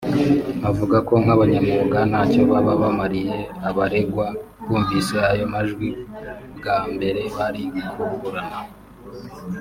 avuga ko nk’abanyamwuga ntacyo baba bamariye abaregwa bumvise ayo majwi bwa mbere bari kuburana